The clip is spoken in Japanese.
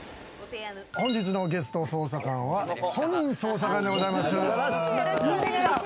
本日のゲスト捜査官は、ソニン捜査官でございます。